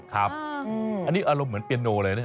ครับอันนี้อารมณ์เหมือนเปียโนเลยนะ